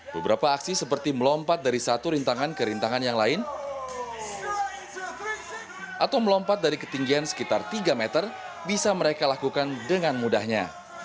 beberapa aksi seperti melompat dari satu rintangan ke rintangan yang lain atau melompat dari ketinggian sekitar tiga meter bisa mereka lakukan dengan mudahnya